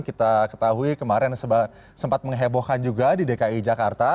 kita ketahui kemarin sempat menghebohkan juga di dki jakarta